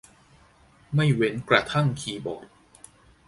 ไม่เว้นกระทั่งคีย์บอร์ด